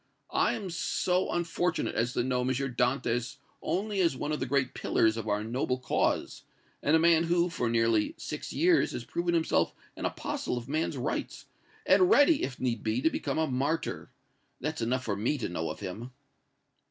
I am so unfortunate as to know M. Dantès only as one of the great pillars of our noble cause, and a man who, for nearly six years, has proven himself an apostle of man's rights, and ready, if need be, to become a martyr! That's enough for me to know of him!"